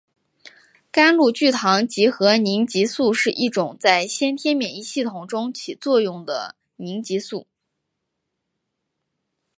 甘露聚糖结合凝集素是一种在先天免疫系统中起作用的凝集素。